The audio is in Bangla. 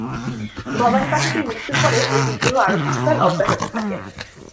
ভবানী পাঠকের মৃত্যুর পরেও এই বিদ্রোহ আরো কিছুকাল অব্যহত থাকে।